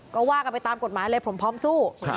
ก็ว่ากันไปตามกฎหมายเลยผมพร้อมสู้